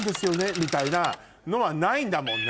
みたいなのはないんだもんね。